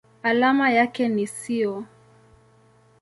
Alama yake ni SiO.